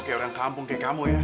kayak orang kampung di kamu ya